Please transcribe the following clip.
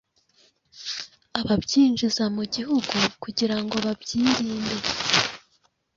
ababyinjiza mu gihugu, kugira ngo babyirinde.”